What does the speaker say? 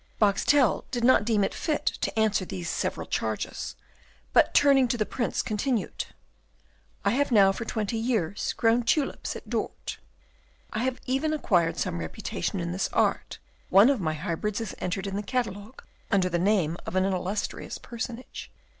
Boxtel did not deem it fit to answer these several charges, but, turning to the Prince, continued, "I have now for twenty years grown tulips at Dort. I have even acquired some reputation in this art; one of my hybrids is entered in the catalogue under the name of an illustrious personage.